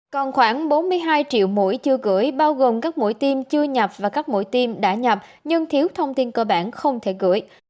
còn khoảng bốn mươi hai triệu mũi chưa gửi bao gồm các mũi tiêm chưa nhập và các mũi tiêm đã nhập nhưng thiếu thông tin cơ bản không thể gửi